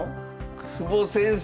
久保先生！